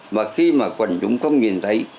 mà khi mà quần chúng không nhìn thấy